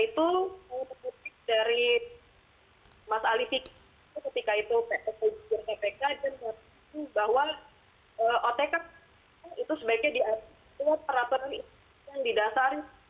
dan itu dari mas alifik ketika itu ppk bahwa otk itu sebaiknya diatur peraturan yang didasari